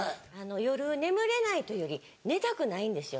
夜眠れないというより寝たくないんですよ。